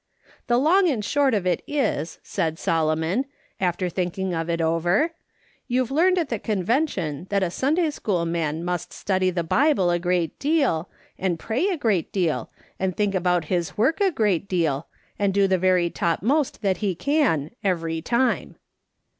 "' The long and short of it is,' said Solomon, after thinking of it over, ' you've learned at the Convention that a Sunday school man must study the Bible a great deal, and pray a great deal, and think about IVffA T SOLOMON LEARNED. 45 his work a great deal, and do the very topmost that he can, every time.'